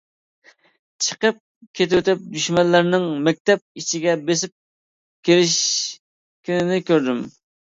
چىقىپ كېتىۋېتىپ دۈشمەنلەرنىڭ مەكتەپ ئىچىگە بېسىپ كىرىشكىنىنى كۆردۈم.